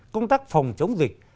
công tác phòng chống dịch